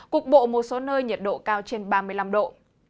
cục bộ một số nơi nhiệt độ cao trên ba mươi năm độ